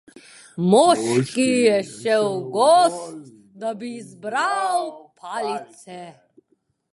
Moški je šel v gozd, da bi zbral palice.